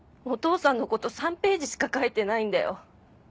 お父さんのこと３ページしか書いてないんだよ。